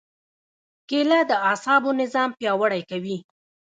کېله د اعصابو نظام پیاوړی کوي.